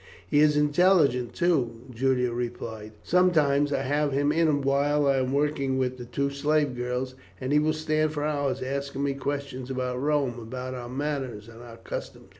"He is intelligent, too," Julia replied. "Sometimes I have him in while I am working with the two slave girls, and he will stand for hours asking me questions about Rome, and about our manners and customs."